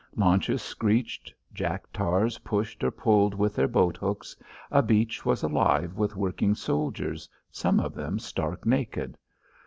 Launches screeched; jack tars pushed or pulled with their boathooks; a beach was alive with working soldiers, some of them stark naked.